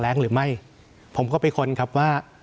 แรงหรือไม่ผมก็ไปค้นครับว่า